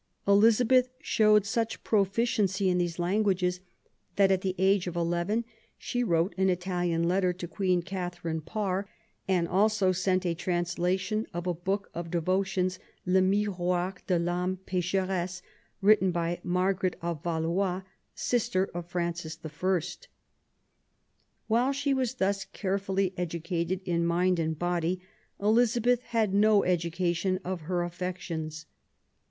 Elizabeth showed such proficiency in these languages that, at the age of eleven, she wrote an Italian letter to Queen Catherine Parr, and also sent a translation of a book of devotions, Le Miroir de VAme pecheresse, written by Margaret of Valois, sister of Francis I. While she was thus carefully educated in mind and body, Elizabeth had no education of her affec tions.